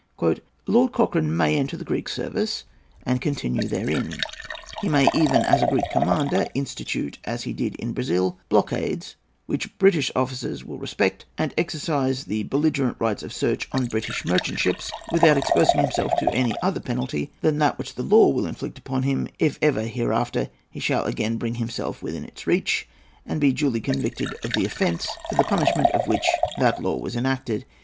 "Lord Cochrane may enter the Greek service, and continue therein. He may even, as a Greek commander, institute (as he did in Brazil) blockades which British officers will respect, and exercise the belligerent rights of search on British merchant ships, without exposing himself to any other penalty than that which the law will inflict upon him if ever hereafter he shall again bring himself within its reach, and be duly convicted of the offence for the punishment of which that law was enacted.